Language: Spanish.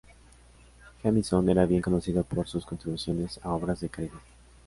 Jamison era bien conocido por sus contribuciones a obras de caridad.